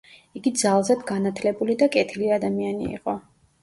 იგი ძალზედ განათლებული და კეთილი ადამიანი იყო.